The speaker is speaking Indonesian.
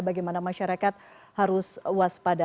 bagaimana masyarakat harus waspada